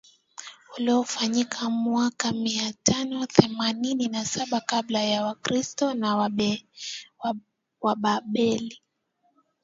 Uliofanyika mwaka mia tano themanini na saba kabla ya kristo na Wababeli